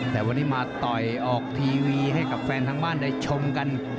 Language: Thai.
แต่วันนี้มาต่อยออกทีวีให้กับแฟนทั้งบ้านได้ชมกัน